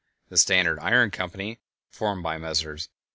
The Standard Iron Company, formed by Messrs.